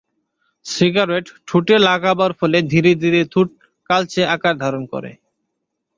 Cigarette ঠোঁটে লাগার ফলে ধীরে ধীরে ঠোঁট কালচে আকার ধারণ করে।